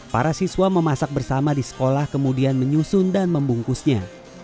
para siswa memasak bersama di sekolah kemudian menyusun dan membungkusnya